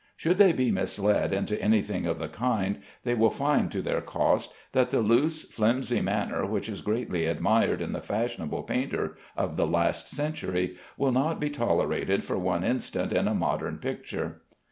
Should they be misled into any thing of the kind, they will find to their cost that the loose, flimsy manner which is greatly admired in the fashionable painter of the last century, will not be tolerated for one instant in a modern picture.